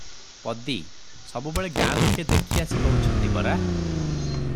ପଦୀ - ସବୁବେଳେ ଗାଁ ଲୋକେ ଦେଖି ଆସି କହୁଛନ୍ତି ପରା?